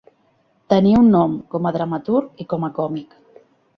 Tenia un nom, com a dramaturg i com a còmic.